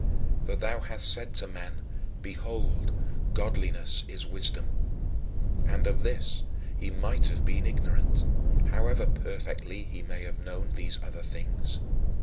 For thou hast said to man, "Behold, godliness is wisdom" and of this he might have been ignorant, however perfectly he may have known these other things.